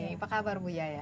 apa kabar bu yayah